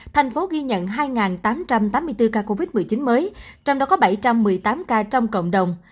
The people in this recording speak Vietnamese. thành phố ghi nhận hai tám trăm tám mươi bốn ca covid một mươi chín mới trong đó có bảy trăm một mươi tám ca trong cộng đồng